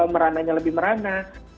merananya lebih merana